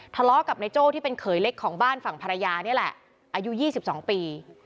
ทะเลาะกับนายโจ้ที่เป็นเขยเล็กของบ้านฝั่งภรรยานี่แหละอายุ๒๒ปี